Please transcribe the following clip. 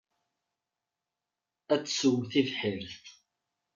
Ad tesswem tibḥirt.